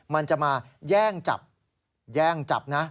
มันจะมาแย่งจับ